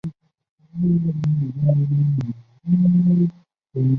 沿海大道则穿越古代迦南地沿着地中海岸从大马士革到埃及的路线。